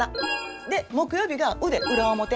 で木曜日が腕裏表。